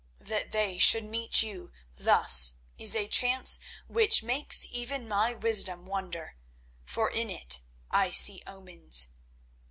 That they should meet you thus is a chance which makes even my wisdom wonder, for in it I see omens.